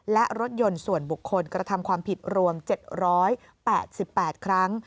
และรถยนต์ส่วนบุคคลกระทำความผิดรวม๗๘๘ครั้ง